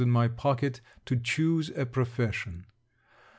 in my pocket to choose a profession.